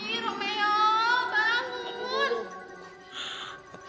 iya romeo bangun